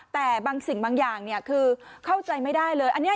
แต่บางสิ่งบางอย่างคือเข้าใจไม่ได้เลยอันนี้